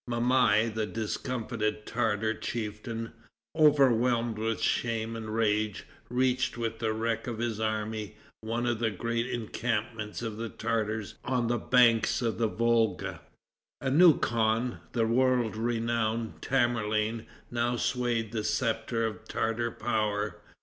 Mamai, the discomfited Tartar chieftain, overwhelmed with shame and rage, reached, with the wreck of his army, one of the great encampments of the Tartars on the banks of the Volga. A new khan, the world renowned Tamerlane, now swayed the scepter of Tartar power.